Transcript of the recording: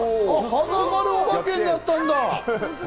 はなまるおばけになったんだ？